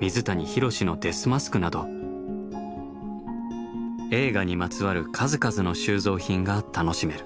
水谷浩のデスマスクなど映画にまつわる数々の収蔵品が楽しめる。